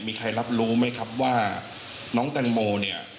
มีใครรับรู้ไหมครับว่าน้องแตงโมเนี่ย